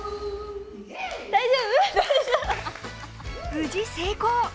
無事成功。